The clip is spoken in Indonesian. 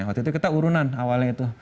waktu itu kita urunan awalnya itu